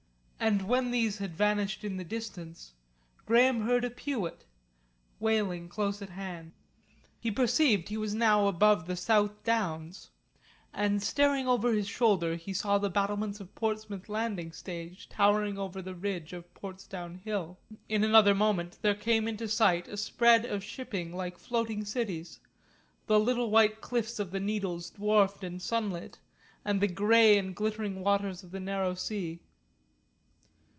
And when these had vanished in the distance Graham heard a peewit wailing close at hand. He perceived he was now above the South Downs, and staring over his shoulder saw the battlements of Portsmouth Landing Stage towering over the ridge of Portsdown Hill. In another moment there came into sight a spread of shipping like floating cities, the little white cliffs of the Needles dwarfed and sunlit, and the grey and glittering waters of the narrow sea.